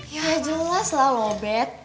ya jelas lah lobet